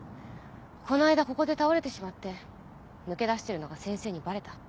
この間ここで倒れてしまって抜け出してるのが先生にバレた。